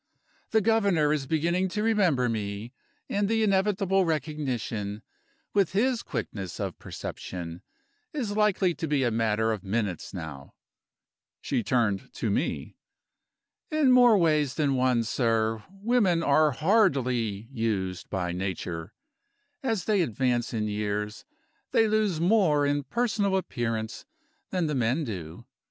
The Governor is beginning to remember me, and the inevitable recognition with his quickness of perception is likely to be a matter of minutes now." She turned to me. "In more ways than one, sir, women are hardly used by Nature. As they advance in years they lose more in personal appearance than the men do.